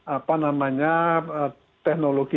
apa namanya teknologi